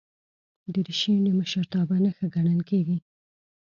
دریشي د مشرتابه نښه ګڼل کېږي.